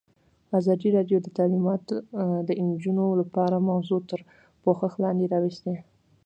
ازادي راډیو د تعلیمات د نجونو لپاره موضوع تر پوښښ لاندې راوستې.